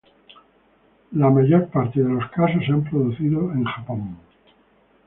La mayor parte de los casos se han producido en Japón.